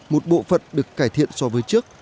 một bộ phận được cải thiện so với trước